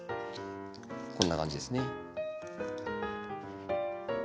こんな感じですね。